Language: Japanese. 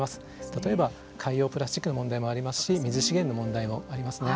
例えば海洋プラスチックの問題もありますし水資源の問題もありますね。